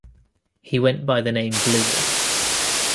He went by the name Blizzard.